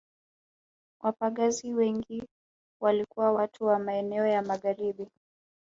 Wapagazi wengi walikuwa watu wa maeneo ya Magharibi